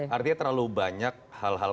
artinya terlalu banyak hal hal